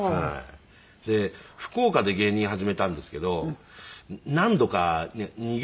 で福岡で芸人始めたんですけど何度か逃げるんですよ。